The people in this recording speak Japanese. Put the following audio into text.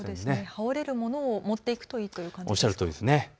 羽織れるものを持っていくといいという感じですね。